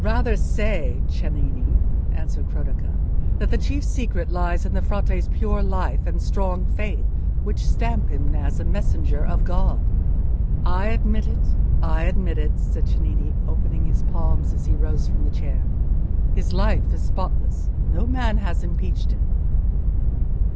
"Rather say, Cennini," answered Cronaca, "that the chief secret lies in the Frate's pure life and strong faith, which stamp him as a messenger of God." "I admit it—I admit it," said Cennini, opening his palms, as he rose from the chair. "His life is spotless: no man has impeached it."